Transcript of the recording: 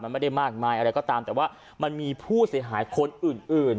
มันไม่ได้มากมายแต่ว่ามันมีผู้เสียหายคนอื่น